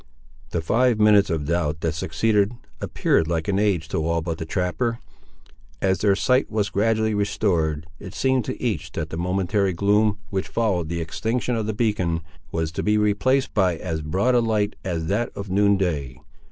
The five minutes of doubt that succeeded appeared like an age to all but the trapper. As their sight was gradually restored, it seemed to each that the momentary gloom, which followed the extinction of the beacon, was to be replaced by as broad a light as that of noon day.